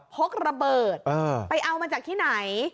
พกระเบิดไปเอามาจากที่ไหน